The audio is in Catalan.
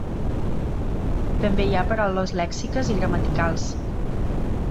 També hi ha paraules lèxiques i gramaticals.